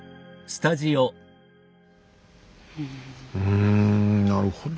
うんなるほど。